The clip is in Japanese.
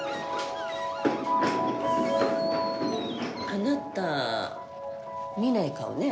あなた見ない顔ね。